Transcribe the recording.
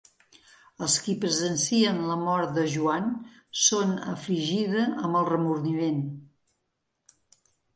Els qui presencien la mort de Joan són afligida amb el remordiment.